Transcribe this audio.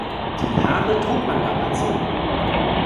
Die Haare trug man damals so.